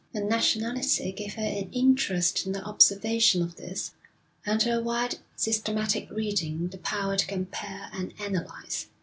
Her nationality gave her an interest in the observation of this, and her wide, systematic reading the power to compare and analyse.